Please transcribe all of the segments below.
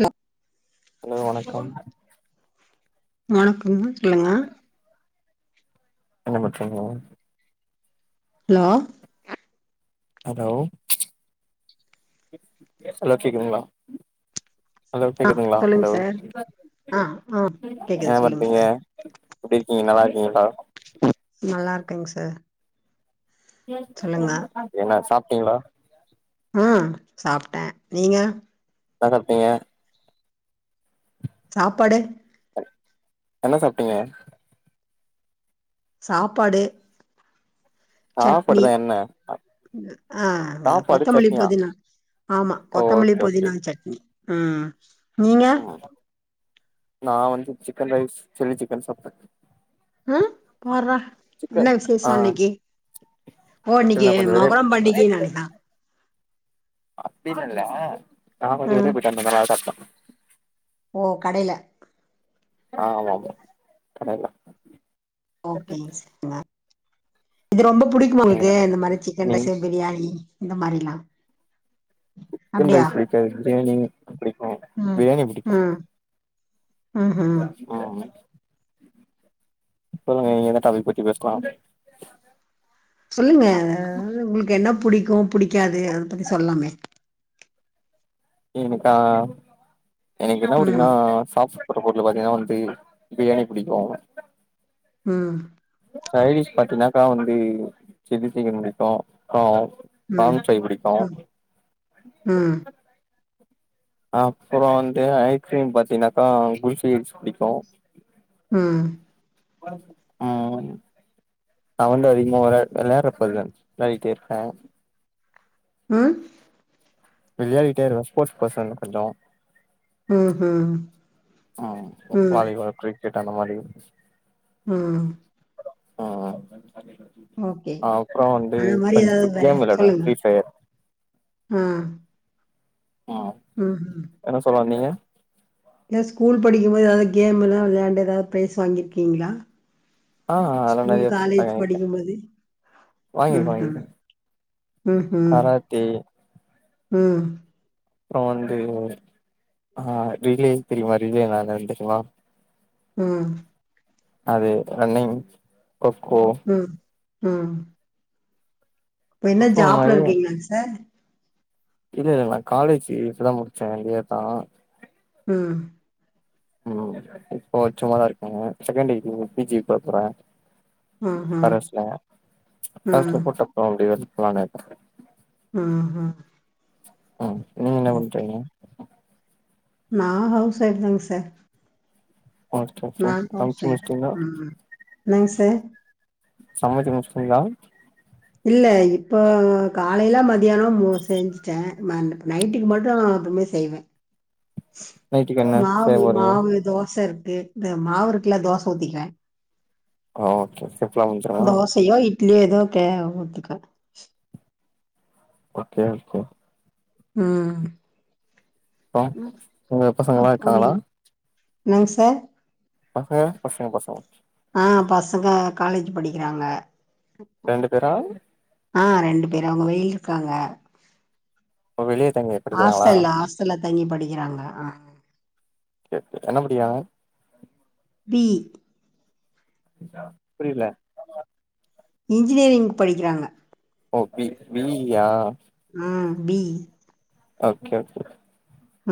hello hello வணக்கம் வணக்கம் சொல்லுங்க என்ன பண்றீங்க ஹலோ ஹலோ ஹலோ கேக்குதுங்களா ஹலோ ஆ கேக்குதுங்களா சொல்லுங்க ஹலோ சார் ஆ ஆ என்ன கேக்குது சொல்லுங்க பண்றிங்க சார் எப்டி இருக்கீங்க நல்லாருக்கீங்களா நல்லாருக்கேங் சார் சொல்லுங்க என்னா சாப்ட்டீங்களா ம் சாப்ட்டே நீங்க என்னா சாப்ட்டிங்க சாப்பாடு என்ன சாப்ட்டீங்க சாப்பாடு சட்னி சாப்பாடுதா என்ன ஆ சாப்பாடு கொத்தமல்லி சட்னியா புதினா ஆமா கொத்தமல்லி ஓகே ஓகே புதினா சட்னி ம் நீங்க ம் நா வந்து சிக்கன் ரைஸ் சில்லி சிக்கன் சாப்டே ம் போடுறா என்ன சிக்கன் விசேஷ ஆ அன்னைக்கு ஓ இல்ல இன்னைக்கு கொஞ்ச வெளிய மொகரம் பண்டிகை நாளையா அப்படிலா இல்ல நா ம் [unintelligible] ஓ கடையில ஆ ஆமா ஆமா கடைல ஓகே இது ரொம்ப புடிக்கு உங்களுக்கு ம் இந்த மாதிரி சி நீ இந்த சைடு பிரியாணி இந்த மாரிலா சிக்கன் அப்டியா ரைஸ் பிடிக்காது பிரியாணி பிடிக்கு ம் பிரியாணி பிடிக்கு ம் ம்ஹும் சொல்லுங்க நீங்க எத டாபிக் பத்தி பேசலா சொல்லுங்க உங்களுக்கு என்ன புடிக்கு புடிக்காது அத பத்தி சொல்லாமே எனக்கா எனக்கு என்ன ம் புடிக்குனா சாக்ஸ் கு பொருல பாத்தீங்கன்னா வந்து பிரியாணி பிடிக்கு ம் சைனஷ் பாத்தீனாக்கா வந்து சில்லி சீக்கன் புடிக்கு ஆ ம் பாங்ஷாய் பிடிக்கு ம் ம் அப்பற வந்து ஐஸ்கிரீம் பாத்தீங்கனாக்கா குல்பி ஜஸ் பிடிக்கு ம் ஆ நா வந்து அதிகமா விளா விளையாடுறப் புள்ள விளையாடுட்ருப்பே ம் விளையாடிட்ட இருப்பே ஸ்போர்ட்ஸ் பசன் கொஞ்ச ம்ஹும் ம் ம் வாலிபால் கிரிக்கெட் அந்த மாரி ம் ம் ஓகே அப்பற வந்து அந்த மாரி ஏதாவது கொஞ்ச வே கேம் விளையாடுவே ஃப்ரீ ஃபயர் ம் ஆ என்ன சொல்ல வந்தீங்க இல்ல ஸ்கூல் படிக்கு போது எதாவது கேம் எலா வெளாண்டு எதாவது ப்ரைஸ் வாங்கியிருக்கீங்களா ஆ அதெல்லா நெறைய பிரைஸ் வாங்கிருக்கே படிக்கும்போது வாங்கிருக்கே ம்ஹும் வாங்கிருக்கே ம்ஹும் கராத்தே ம் அப்றோ வந்து ஆ ரிலே தெரியுமா ரிலே [unintelligible] ம் அது ரன்னிங் கொக்கோ ம் ம் இப்ப என்ன கொக்கோ ஜாப்ல மாரி இருக்கீங்களாங்க சார் இல்ல இல்ல நா காலேஜ் இப்ப தா முடிச்சே இந்த இயர் தா ம் ம் இப்போ சும்மாதா இருக்கேங்க செகண்ட் டிகிரி பி ஜி போ போறே ஆஹா, கரஸ்ல ஆ, கரஸ்ல ஃபர்ஸ்ட் போட்ட ப்ரோ அப்டி எடுக்கலாம்னு இருக்கே ம் ம் ம் நீங்க என்ன பண்றீங்க நா ஹவுஸ் வைஃப் தாங்க சார் ஓகே ஓகே நா ஹவுஸ் சமச்சு வைஃப் முடிச்சிட்டீங்களா ம் என்னங்க சார் சமச்சு முடிச்சிட்டீங்களா இல்ல இப்போ காலைல்ல மதியானோ செஞ்சுட்டே ம நைட்டுக்கு மட்டு இனிமே செய்வே [inaudible] நைட்டுக்கு என்ன செய்ய மாவு போறீங்க மாவு தோச இருக்கு இந்த மாவு இருக்குல தோச ஊத்திக்குவே ஆ ஓகே சிம்பிளா முடிஞ்சிருமா தோசயோ இட்லியோ ஏதோ ஊத்திக்குவே ஓகே ஓகே ம் அப்றோ உங்க பசங்க எல்லா அப்போ நீ இருக்காங்களா என்னங்க சார் பசங்க பசங்க பசங்க ஆ பசங்க காலேஜ் படிக்கிறாங்க ரெண்டு பேரா ஆ ரெண்டு பேர் அவங்க வெயில இருக்காங்க ஓ வெளிய தங்கி படிக்கிறாங்களா ஹாஸ்டல்ல ஹாஸ்டல்ல தங்கி படிக்கிறாங்க அ என்ன படிக்கிறாங்க பி இ புரியல இன்ஜினியரிங் படிக்கிறாங்க ஓகே பி இ யா ம் பி யி ஓகே ஓகே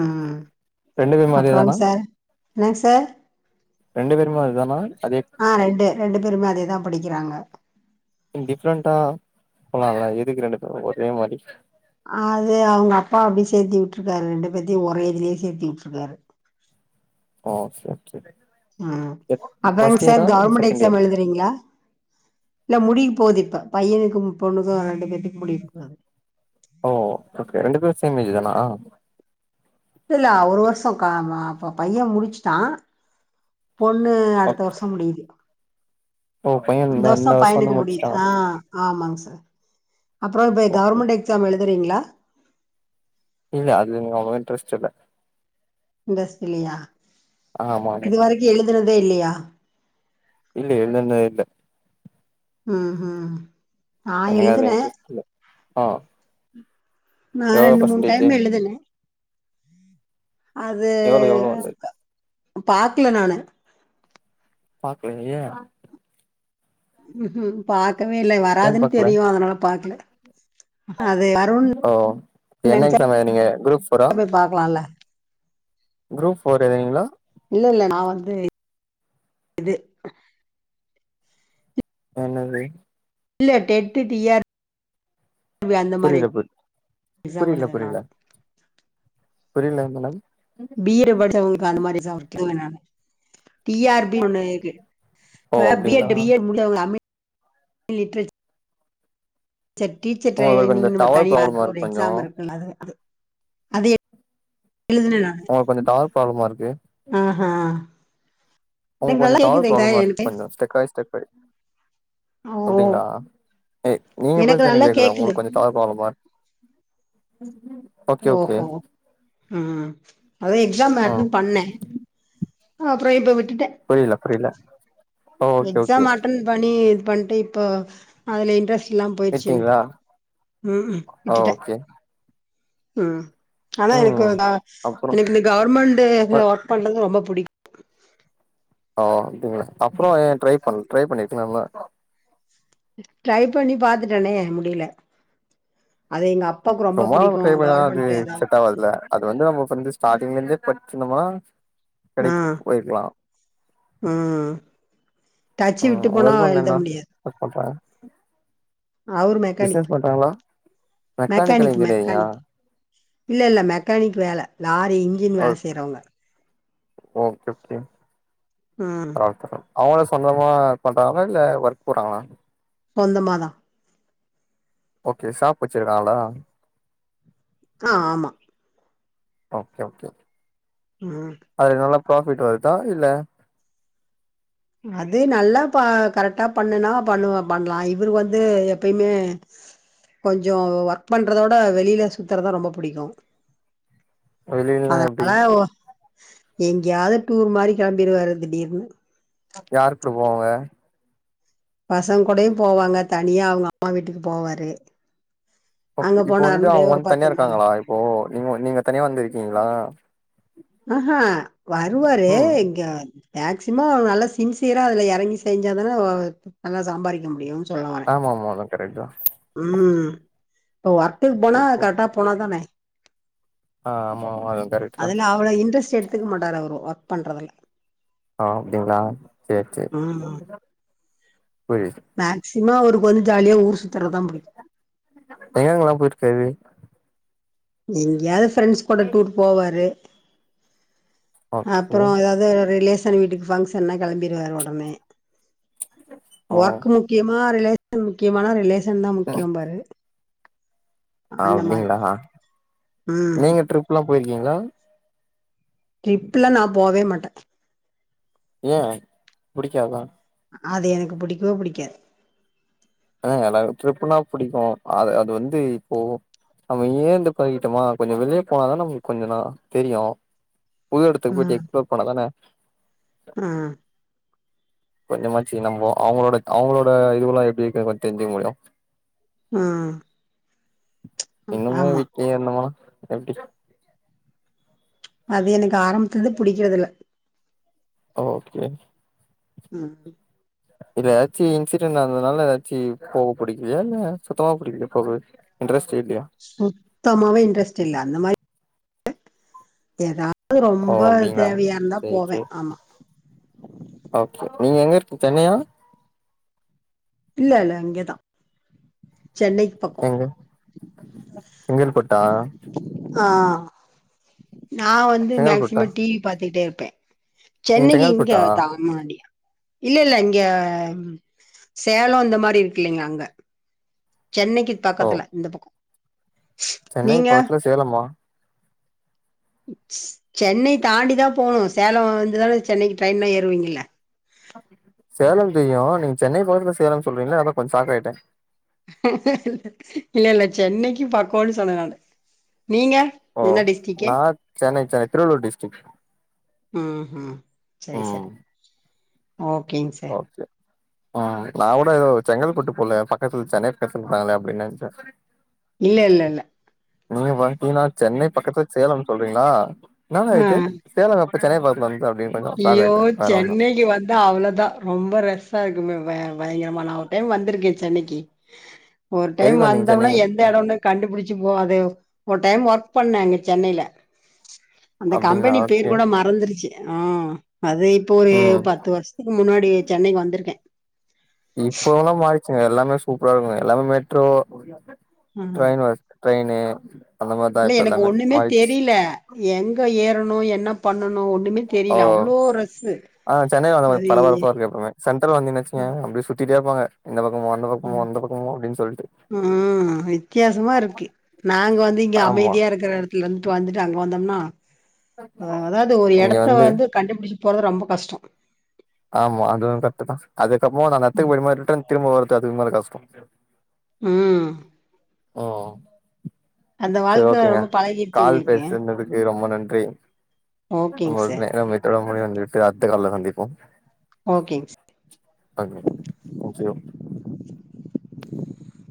ம் ரெண்டு பேருமே அதே அப்பறங்க தானா சார் என்னங்க சார் ரெண்டு பேருமே அது தான அதே ஆ ரெண்டு ரெண்டு பேருமே அதே தா படிக்கிறாங்க டிஃப்ரெண்டா போல்லாம்ல எதுக்கு ரெண்டு பேரு ஒரே மாரி அது அவங்க அப்பா அப்டி சேர்த்தி விட்டுருக்காரு ரெண்டு பேத்தையும் ஒரே இதுலேயே சேர்த்து விட்டுருக்காரு ஆ சேர் சேரி ம் சேரி அப்பறம் ஃபர்ஸ்ட் சார் இயரா இல்ல கவர்மெண்ட் செகண்ட் எக்ஸாம் இயரா எழுதுறீங்களா இல்ல முடிய போகுது இப்ப பையனுக்கும் பொண்ணுக்கும் ரெண்டு பேத்துக்கு முடிய போது ஓ ஓகே ரெண்டு பேரும் சேம் ஏஜ் தானா இல்ல அ ஒரு வருஷம் க ம பையன் முடிச்சுட்டான் பொண்ணு அடுத்த ஓகே வருஷம் முடிது ஓ பைய இந்த வருஷம் வருஷ வந்து பையனுக்கு முடிது முடிச்சுட்டா ஆ ஆ ஆமாங்க சார் அப்றம் இப்ப ஓகே கவர்மெண்ட் எக்ஸாம் எழுதுறீங்ளா இல்ல அது நீங்க அவ்ளோவா இன்ட்ரெஸ்ட் இல்ல இன்ட்ரஸ்ட் இல்லியா ஆமாங்க எழுதுனதே இல்லயா இல்ல எழுதுனதே இல்ல ம் ம் நா எனக்கு அதுல எழுதுனே இன்ரெஸ்ட் இல்ல ஆ நா எவ்ளோ ரெண்டு மூன் பர்சன்டேஜு டைம் எழுதுனே அது எவ்ளோ எவ்ளோ வந்தது பாக்ல நானு பாக்கல ஏன் ம் பாக்கவே இல்ல ஏ வராதுன்னு பாக்கல தெரியும் அதனால பாக்கல அது வருன்னு ஓ என்ன எக்ஸாம் எழுதுனீங்க குரூப் ஃபோரா பாக்லாம்ல குரூப் ஃபோர் எழுதுனிங்ளா இல்ல இல்ல நா வந்து என்னது இல்ல டெ ட் டு டி ஆர் பி அந்த மாரி புரியல பு எக்ஸாம் எழுதுனே நானு புரியலங் மேடம் பி எட் படிச்சவங்களுக்கு அந்த மாரி எக்ஸாம் வுட்ருவே நானு டி ஆர் பி ஒன்னு இருக்கு ஓ இப்ப பி ஏ அப்டிங்களா சி ஏ முடிச்சவங்க தமிழ் லிட்ரேச்சர் சரி டீச்சர் உங்களுக்கு கொஞ்சோ ட்ரைனிங் நம்ம டவர் தனியா ப்ராப்ளமா அதுக்குன்னு ஒரு இருக்கு கொஞ்சோ எக்ஸாம் இருக்கு அது அது அது எழுதுனனா ஒங்களுக்கு கொஞ்சம் டவர் ப்ராப்ளமா இருக்கு ஆஹா அவங்க எனக்கு நல்லா கொஞ்சம் டவர் கேக்குதுங்க ப்ராப்ளமா இருக்கு எனக்கு கொஞ்சம் ஸ்டெக்காயி ஸ்டெக்காயி ஓ அப்டிங்களா ஏ நீங்க எனக்கு பேசனா தான் நல்லா கேக்கல கேக்குது உங்களுக்கு கொஞ்சம் டவர் ப்ராப்ளமா ம் ம் ஓஹோ ம் அதா எக்ஸாம் ம் அட்டன் பண்ணே அப்றம் இப்ப விட்டுட்டேன் புரியல புரியல ஓ ஓகே ஓகே எக்ஸாம் அட்டன் பண்ணி இது பண்ட்டு இப்போ அதுல இன்ட்ரெஸ்ட் இல்லாம போயிடுச்சு எனக்கு விட்டீங்களா ம் ம் ஓ விட்டுட்டேன் ஓகே ம் ஆனா எனக்கு ம் அப்புறோ எனக்கு இந்த கவர்மெண்ட் இதுல ஒர்க் பண்றது ரொம்ப புடிக்கும் ஓ அப்டிங்களா அப்புறம் ஏன் ட்ரை பண்ணல ட்ரை பண்ணிருக்லாம்ல ட்ரை பண்ணி பாத்துட்டேனே முடில அது எங்க அப் அப்பாக்கு ரொம்ப புடிக்கும் கவர்மெண்ட்ல ஏதா செட்டாவாதுல அது வந்து நம்ம வந்து ஸ்டார்டிங்ல இருந்தே பச்சிருந்தம்னா ஆ ம் ம் டச்சு விட்டு போனா எழுத முடியாது அப்பப்பா அவரு மெக்கானிக் மெசேஜ் பண்றாங்ளா மெக்கானிக்கல் மெக்கானிக் இன்ஜினியரிங்கா மெக்கானிக் இல்ல இல்ல மெக்கானிக் வேல லாரி இன்ஜின் வேல செய்றவங்க ஓ கெக் கே ம் ஓகே அவங்ளே சொந்தமா பண்றாங்களா இல்ல ஒர்க் போறாங்ளா சொந்தமா தா ஓகே சாப் வச்சிங்கீறாங்களா அ ஆமா ஓ கே ஓக்கே ம் அதுல நல்லா ப்ராஃபிட் வருதா இல்ல அது நல்லா பா கரெக்டா பண்ணனா பண்ணுவ பண்ணலா இவரு வந்து எப்பய்மே கொஞ்சோ ஒர்க் பண்றதவிட வெளியில சுத்துறத்தா ரொம்ப புடிக்கூ வெளிலல்லா அதனா எப்டி அதனால ஓ எங்கேயாவது டூர் மாரி கிளம்பிருவாரூ திடீர்னு யார்க்கூட போவாங்க பசங்க கூடயூ போவாங்க தனியா அவங்க அம்மா வீட்டுக்கு போவாரு ஓக் அங்க இப்ப வந்து போனாருனா ஒரே அவுங்க ஒரு வந்து தனியா பத்து நாள் இருக்காங்களா இப்போ நீங்க நீங்க தனியா வந்துருக்கீங்களா அ ஹாங் வருவாரு ம் இங்க மேக்சிமம் அவரு நல்லா சின்சியரா அதுல எறங்கி செஞ்சா தானே நல்லா சம்பாதிக்க முடியும்னு சொல்லவரே ஆமா அது கரெக்ட் தா ம் இப்ப ஒர்க்குக்கு போனா கரெக்டா போனாதானே ஆ ஆமா ஆமா அதுவு கரெக்ட் தா அதுல அவ்ளவ் இன்ட்ரெஸ்ட் எடுத்துக்க மாட்டாரு அவரு ஒர்க் பண்றதுல ஆ அப்டிங்களா சேர் செரி மேக்சிம அவருக்கு வந்து ஜாலியா ஊர் சுத்துறதுதா புடிக்கும் எங்கெங்கல்லா போயிருக்காரு ஏதா ஃப்ரெண்ட்ஸ் கூட டூர் போவாரு ஓகே அப்புறோ ஏதாவது ரிலேஸ் தனி வீட்டுக் பங்க்ஷனா கிளம்பிடுவாரு உடனே ஓ ஒர்க் முக் கியமா ரிலேஷன் முக்கியமான ரிலேஷன் தா முக்கியம்பாரு அப்டிங்களா ம் நீங்க ட்ரிப்ல்லா போயிருக்கீங்களா ட்ரிப்லா நா போவே மாட்டே ஏ புடிக்காதா அது எனக்கு புடிக்கவே புடிக்காது ஆ எனக்கு டிர்ப்புனா புடிக்கூ அத் அது வந்து இப்போ நம்ம ங்கேருந்து பழகிட்டோமா கொஞ்சோ வெளியே போனாதா நமக்கு கொஞ்சோ நா தெரியூ புது எடத்துக்கு போயிட்டு எக்ஸ்ளோர் பண்ணா தானே ஆ கொஞ்சமாச்சி நம்ப அவங்களோட அவங்களோட இதுவ்ல்லா எப்டி இருக்குன்னு கொஞ்சோ தெரிஞ்சிக்க முடியூ ம் இன்னுமே ஆமா வீட்லியே இருந்தோம்னா எப்டி அது எனக்கு ஆரம்பத்துலர்ந்தே புடிக்கறதில்ல ஓ கே ம் இல்ல ஏதாச்சு இன்சிடெட் நடந்ததுனால ஏதாச்சு போவ புடிக்கலையா இல்ல சுத்தமா புடிக்கலயா போகவே இண்ட்ரெஸ்ட் இல்லயா சுத்தமாவே இன்ட்ரெஸ்ட் இல்ல அந்த மாரி ஏதாது ஓ ரொம்ப அப்டிங்களா தேவையா இருந்தா சேரி போவே சேரி ஆமா ஓகே நீங்க எங்க இருக்கீங்க சென்னையா இல்ல இல்ல இங்கதா சென்னைக்கு பக் எங்க செங்கல்பட்டா அ நா வந்து செங்கல்பட்டா மேக்சிமம் டிவி பாத்துக்கிட்டே இருப்பே நீங்க சென்னைக்கு இங்க செங்கல்பட்டா தா முன்னாடி இல்ல இல்ல இங்க சேலோ இந்த மாரி இருக்கு இல்லைங்ளா அங்க சென்னைக்கு ஓ பக்கத்துல இந்த பக்க சென்னை பக்கத்துல சேலமா சென்னை தாண்டி தா போணு சேலம் வந்து தானே சென்னைக்கு ட்ரெயின்லா ஏறுவீங்கள சேலம் தெரியு நீங்க சென்னை பக்கத்துல சேலம் சொல்றீங்களா அதா கொஞ்ச சாக் ஆயிட்ட இல்ல இல்ல சென்னைக்கு பக்கோன் சொன்னே நானு நீங்க ஓ என்ன டிஸ்ட்ரிக்கு நா சென்னை சென்னை திருவள்ளூர் டிஸ்ட்ரிக் ம் ம் சேரி ம் சேரி ஓகேங்க சா செரி ஆ நா கூட ஏதோ செங்கல்பட்டு போலன் பக்கத்து சென்னை பக்கத்துல இருக்காங்களே அப்டினு நெனச்சே இல்ல இல்ல இல்ல நீங்க பாத்தீங்னா சென்னை பக்கத்து சேலம் சொல்றீங்களா என்னால்ல ஆ இது சேலங்க அப்ப சென்னை பத்துல வந்து அப்டினு யோ சென்னைக்கு வந் அவ்ளதா ரொம்ப ரெஸ்ஸா இருக்குமே பயங்கரமா நா ஒரு டைம் வந்திருக்கே சென்னைக்கு ஒரு டைம் எதுக்கு வந்தீங்க வந்தோம்னா சென்னை எந்த இடம்னே கண்டுபிடிச்சு போ அது ஒரு டைம் ஒர்க் பண்ண அங்க சென்னையில அந்த அப்டிங்களா கம்பெனி பேர் ஓகே கூட மறந் துருச்சு ஆ அது இப்போ ஒரு ம் பத்து வருஷத்துக்கு முன்னாடி சென்னைக்கு வந்திருக்க இப்ப வெல்லா மாறிச்சுங்க எல்லாமே சூப்பரா இருக்குங்க எல்லாமே மெட்ரோ ஆ ட்ரெயின் வச ட்ரெயினு அந்த மாரிதா இல்ல இப்ப எனக்கு எல்லாமே ஒண்ணுமே மாறிச்சு தெரியில எங்க ஏறணு என்ன பண்ணனு ஒண்ணுமே ஓ தெரில அவ்ளோ ரஸ்ஸு ஆ சென்னை வந்த அது பரபரப்பா இருக்கு எப்பவுமே சென்டரல் அ வந்தினேச்சுங்க அப்டி சுத்திட்டே இருப்பாங்க இந்த பக்கமோ அந்த அ பக்கமோ அந்த பக்கமோ அப்டினு சொல்ட்டு ம் வித்தியாசமா இருக்கு நாங்க வந்து இங்க ஆமா அமைதியா இருக்கிற இடத் வீல இருந்துட்டு வந்துட்டு அங்க வந்தோம்னா அதாது ஒரு எடத்த வந்து கண்டுபிடிச்சு போறது ரொம்ப கஷ்டோ ஆமா அதுவு கரட்டு தா அதுக்கப்புற நா அந்த எத்துக்கு ம் போயிட்டு ரிட்டன் திரும்ப வருது அதுக்கு மாரி கஷ்டோ ம் ஓ அந்த செரி வாழ்க்க ஓகேங்க ரொம்ப பழகிருச்சு கால் உங்களுக்கு பேசுனதுக்கு ரொம்ப நன்றி ஓகேங்க உங்கள் சார் நேரமே எவ்ளோ மணி வந்துட்டு அத்து கால்ல சந்திப்போ ஓகேங் சார் அ தேங்க்யூ